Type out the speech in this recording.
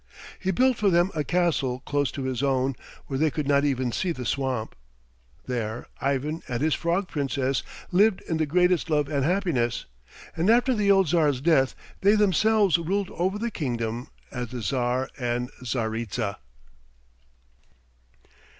He built for them a castle close to his own, where they could not even see the swamp. There Ivan and his frog princess lived in the greatest love and happiness, and after the old Tsar's death they themselves ruled over the kingdom as the Tsar and Tsaritsa.